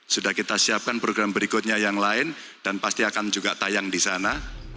sudah kita siapkan program berikutnya yang lain dan pasti akan juga tayang di sana